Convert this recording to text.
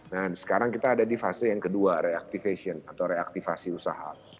nah sekarang kita ada di fase yang kedua reactivation atau reaktivasi usaha